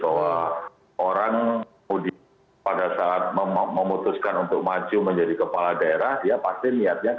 bahwa orang pada saat memutuskan untuk maju menjadi kepala daerah dia pasti niatnya